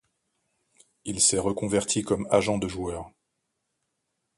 Il s'est reconverti comme agent de joueurs.